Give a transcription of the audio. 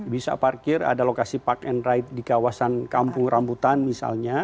bisa parkir ada lokasi park and ride di kawasan kampung rambutan misalnya